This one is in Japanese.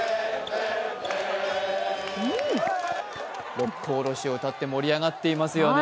「六甲おろし」を歌って盛り上がっていますよね